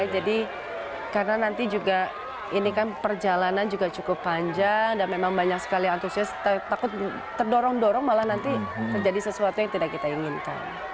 jadi karena nanti juga ini kan perjalanan juga cukup panjang dan memang banyak sekali antusias takut terdorong dorong malah nanti terjadi sesuatu yang tidak kita inginkan